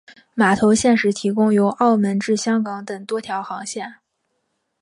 码头现时提供由澳门至香港等多条航线。